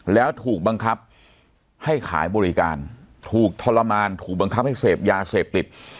แล้วถูกบังคับให้ขายบริการถูกทรมานถูกบังคับให้เสพยาเสพติด